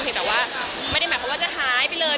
แต่ว่าไม่ได้หมายความว่าจะหายไปเลย